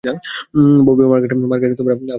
ববি ও মার্গারেট আবারো ঝগড়া করেছে।